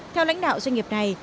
theo lãnh đạo doanh nghiệp này